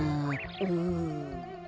うん。